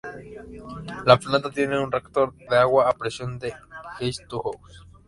La planta tiene un reactor de agua a presión de Westinghouse.